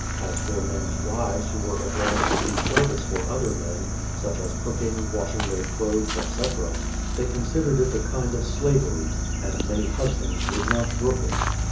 As for men's wives who were obliged to do service for other men, such as cook ing, washing their clothes, etc., they considered it a kind of slavery, and many husbands would not brook it.